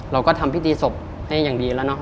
เราก็ทำพิธีศพให้อย่างดีแล้วเนาะ